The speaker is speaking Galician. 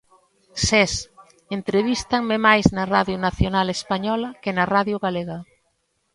Sés: "Entrevístanme máis na Radio Nacional Española que na Radio Galega".